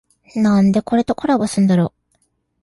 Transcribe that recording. なんでこれとコラボすんだろ